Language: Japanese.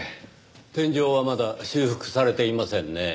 天井はまだ修復されていませんねぇ。